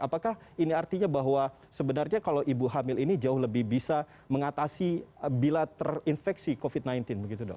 apakah ini artinya bahwa sebenarnya kalau ibu hamil ini jauh lebih bisa mengatasi bila terinfeksi covid sembilan belas begitu dok